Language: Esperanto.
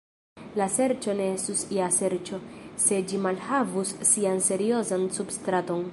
La ŝerco ne estus ja ŝerco, se ĝi malhavus sian seriozan substraton.